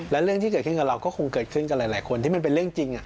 และเรื่องที่เกิดขึ้นกับเราก็คงเกิดขึ้นกับหลายคนที่มันเป็นเรื่องจริง